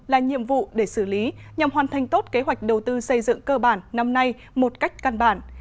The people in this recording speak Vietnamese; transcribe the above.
là nhiệm vụ để xử lý nhằm hoàn thành tốt kế hoạch đầu tư xây dựng cơ bản năm nay một cách căn bản